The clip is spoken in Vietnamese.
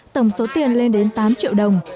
tổng số tiền lên đến tám triệu đồng